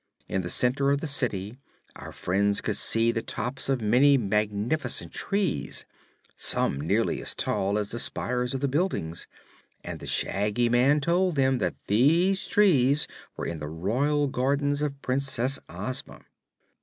In the center of the city our friends could see the tops of many magnificent trees, some nearly as tall as the spires of the buildings, and the Shaggy Man told them that these trees were in the royal gardens of Princess Ozma.